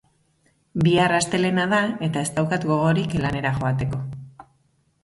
Bihar astelehena da, eta ez daukat gogorik lanera joateko.